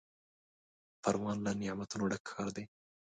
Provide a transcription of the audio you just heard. پروان له نعمتونو ډک ښار دی.